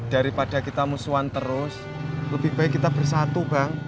daripada kita musuhan terus lebih baik kita bersatu bang